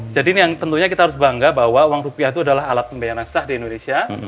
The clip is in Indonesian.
jadi ini yang tentunya kita harus bangga bahwa uang rupiah itu adalah alat pembayaran sah di indonesia